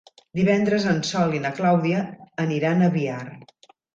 Divendres en Sol i na Clàudia aniran a Biar.